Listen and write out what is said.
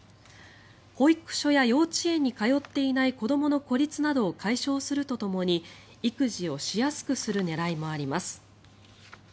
保育所や幼稚園に通っていない子どもの孤立などを解消するとともに育児をしやすくする狙いもあります。